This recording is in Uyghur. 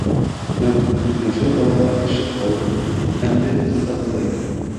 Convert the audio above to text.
مەن مۇشۇ ھالغا چۈشۈپ قالدىم، ئەمدى قانداق قىلاي.